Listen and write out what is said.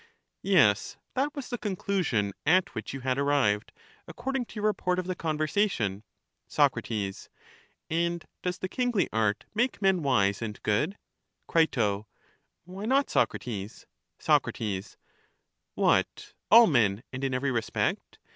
Yes ; that was the conclusion at which you had arrived, according to your report of the conversation. Soc. And does the kingly art make men wise and good? Cri. Why not, Socrates? Soc. What, all men, and in every respect?